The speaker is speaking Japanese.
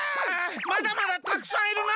まだまだたくさんいるな。